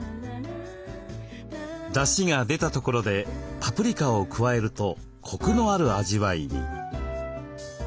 だしが出たところでパプリカを加えるとコクのある味わいに。